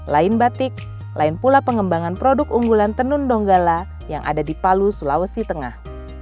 lain batik lain pula pengembangan produk unggulan tenun donggala yang ada di palu sulawesi tengah